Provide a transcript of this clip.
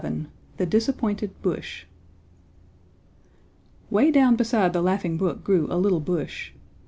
XI THE DISAPPOINTED BUSH Way down beside the Laughing Brook grew a little bush.